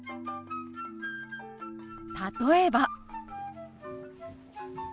例えば。